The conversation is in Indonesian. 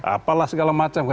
apalah segala macam